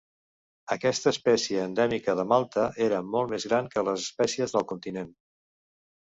Aquesta espècie endèmica de Malta era molt més gran que les espècies del continent.